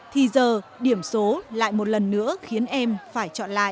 thì giờ điểm số lại một lần nữa khiến em phải chọn lại